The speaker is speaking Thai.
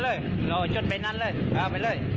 เราหน้าจดเลยเออจดเลย